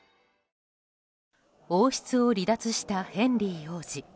王室を離脱したヘンリー王子。